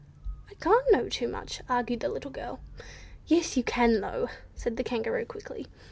"One can't know too much," argued the little girl. "Yes you can, though," said the Kangaroo, quickly.